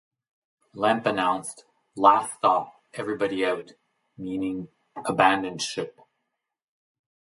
Lemp announced "Last stop, everybody out", meaning "Abandon ship".